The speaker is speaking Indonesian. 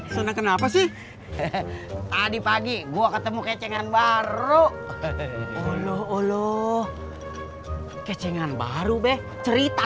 senang kenapa sih hehehe tadi pagi gua ketemu kecengan baru hehehe loh kecengan baru bek cerita